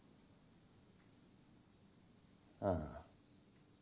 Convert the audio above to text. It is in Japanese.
ああ。